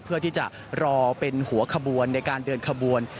เพื่อที่จะรอเป็นหัวขบวนในการเดินขบวน